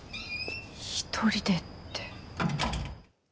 １人でって。